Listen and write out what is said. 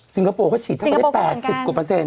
คโปร์เขาฉีดเข้าไปได้๘๐กว่าเปอร์เซ็น